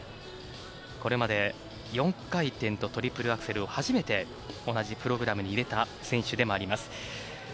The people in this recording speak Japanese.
これまで４回転とトリプルアクセルを初めて同じプログラムに入れた選手でもあります。